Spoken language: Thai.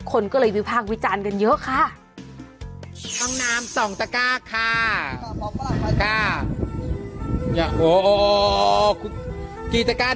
คนก็เลยไปภาควิจารณ์กันเยอะค่ะ